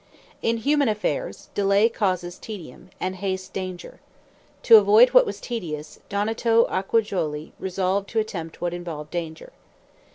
In human affairs, delay causes tedium, and haste danger. To avoid what was tedious, Donato Acciajuoli resolved to attempt what involved danger.